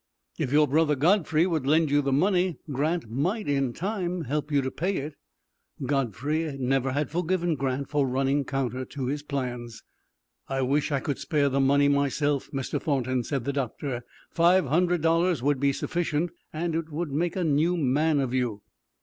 "If your brother Godfrey would lend you the money, Grant might, in time, help you to pay it." Godfrey never had forgiven Grant for running counter to his plans. "I wish I could spare the money myself, Mr. Thornton," said the doctor. "Five hundred dollars would be sufficient, and it would make a new man of you."